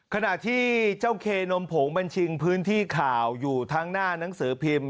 ขณะที่เจ้าเคนมผงบัญชิงพื้นที่ข่าวอยู่ทั้งหน้านังสือพิมพ์